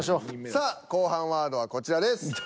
さあ後半ワードはこちらです。